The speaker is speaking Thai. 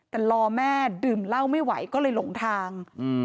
แต่รอแม่ดื่มเหล้าไม่ไหวก็เลยหลงทาง